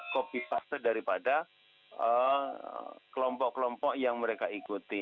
copy fase daripada kelompok kelompok yang mereka ikuti